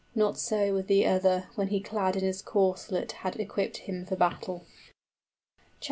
Not so with the other When he clad in his corslet had equipped him for battle. XXIII.